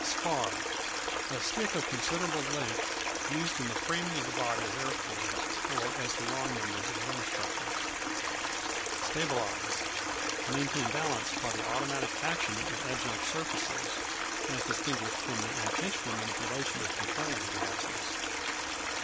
Spar A stick of considerable length used in the framing of the body of aeroplanes, or as the long members in wing structures. Stabilize To maintain balance by the automatic action of adjunct surfaces, as distinguished from the intentional manipulation of controlling devices.